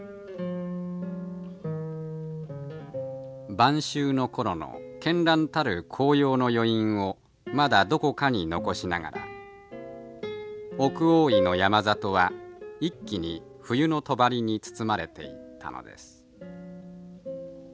晩秋の頃のけんらんたる紅葉の余韻をまだどこかに残しながら奥大井の山里は一気に冬のとばりに包まれていったのです。